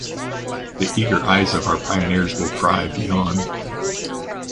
The eager eyes of our pioneers will pry beyond.